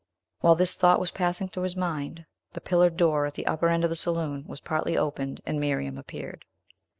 While this thought was passing through his mind, the pillared door, at the upper end of the saloon, was partly opened, and Miriam appeared.